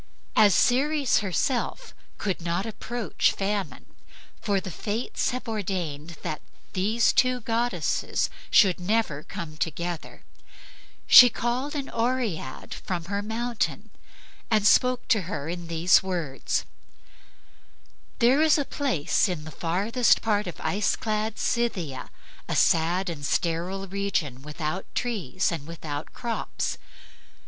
As Ceres herself could not approach Famine, for the Fates have ordained that these two goddesses shall never come together, she called an Oread from her mountain and spoke to her in these words: "There is a place in the farthest part of ice clad Scythia, a sad and sterile region without trees and without crops.